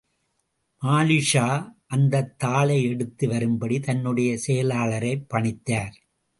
மாலிக்ஷா, அந்தத் தாளை எடுத்து வரும்படி தன்னுடைய செயலாளரைப் பணித்தார்.